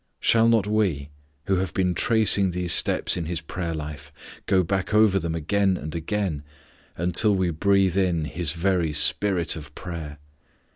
Shall not we, who have been tracing these steps in His prayer life, go back over them again and again until we breathe in His very spirit of prayer?